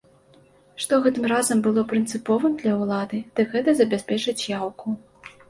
Што гэтым разам было прынцыповым для ўлады, дык гэта забяспечыць яўку.